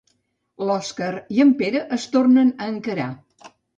L'Òskar i el Pere es tornen a encarar.